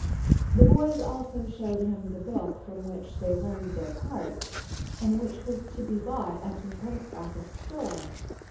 The boys also showed him the book from which they learned their parts, and which was to be bought at the post office store.